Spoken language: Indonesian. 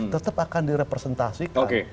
tetap akan direpresentasikan